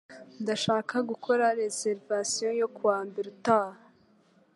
Ndashaka gukora reservation yo kuwa mbere utaha.